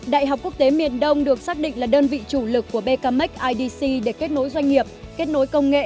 đại học quốc tế miền đông được xác định là đơn vị chủ lực của becamec idc để kết nối doanh nghiệp kết nối công nghệ